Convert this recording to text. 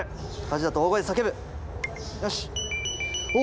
よし！